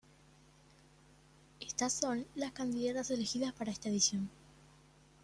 Estas son las candidatas elegidas para esta edición.